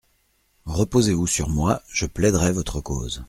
Reposez-vous sur moi, je plaiderai votre cause.